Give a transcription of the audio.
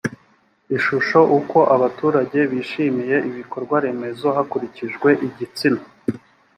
ishusho uko abaturage bishimiye ibikorwaremezo hakurikijwe igitsina